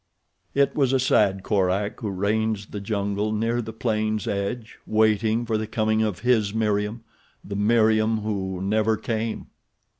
It was a sad Korak who ranged the jungle near the plain's edge waiting for the coming of his Meriem—the Meriem who never came.